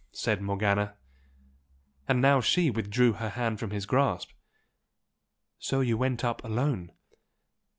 said Morgana, and now she withdrew her hand from his grasp "So you went up alone?"